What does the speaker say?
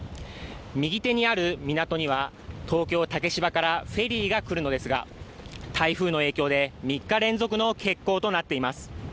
右手にある港には東京・竹芝からフェリーが来るのですが台風の影響で３日連続の欠航となっています。